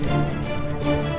jangan pak landung